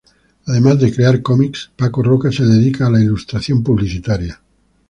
Además de crear cómics, Paco Roca se dedica a la ilustración publicitaria.